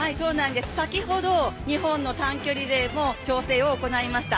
先ほど日本の短距離勢も調整を行いました。